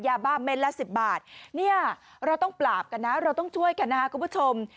ยาบ้าเม็ดละ๑๐บาทเนี่ยเราต้องปราบกันนะเราต้องช่วยกันนะครับคุณผู้ชม